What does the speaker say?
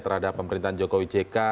terhadap pemerintahan jokowi ck